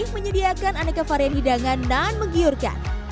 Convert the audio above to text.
menyediakan aneka varian hidangan nan menggiurkan